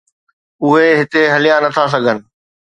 اهي هتي هليا نٿا سگهن.